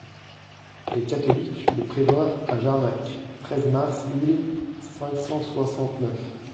Les catholiques le prévinrent à Jarnac (treize mars mille cinq cent soixante-neuf).